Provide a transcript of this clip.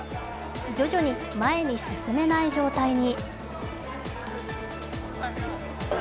徐々に前に進めない状態に。